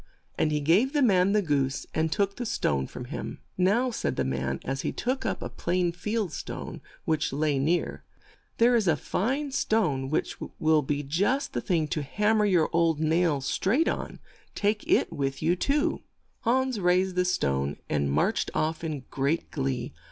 " And he gave the man the goose, and took the stone from him. 1 ' Now, '' said the man, as he took up a plain field stone which HANS GLADLY SEES THE STONES FALL INTO THE WELL. lay near, "there is a fine stone which will be just the thing to ham mer your old nails straight on. Take it with you too." Hans raised the stone, and marched off in great glee.